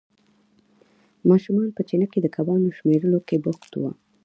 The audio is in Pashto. ماشوم په چینه کې د کبانو شمېرلو کې بوخت وو.